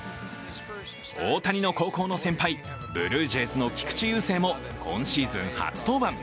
大谷の高校の先輩、ブルージェイズの菊池雄星も今シーズン初登板。